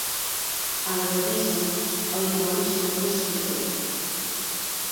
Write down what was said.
A la vellesa el dimoni es torna sabater.